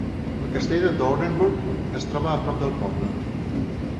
El castell de Doornenburg es troba a prop del poble.